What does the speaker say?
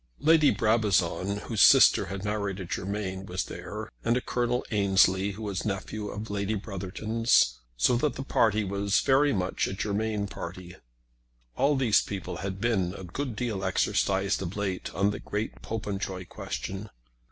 Lady Brabazon, whose sister had married a Germain, was there, and a Colonel Ansley, who was a nephew of Lady Brotherton's; so that the party was very much a Germain party. All these people had been a good deal exercised of late on the great Popenjoy question.